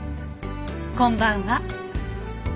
こんばんは。